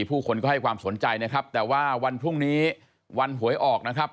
ผู้คนก็ให้ความสนใจนะครับแต่ว่าวันพรุ่งนี้วันหวยออกนะครับ